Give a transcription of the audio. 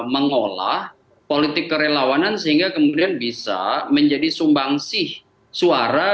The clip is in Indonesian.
mengolah politik kerelawanan sehingga kemudian bisa menjadi sumbangsih suara